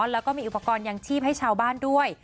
แล้วก็มีอุปกรณ์ยังชีพให้ชาวบ้านด้วย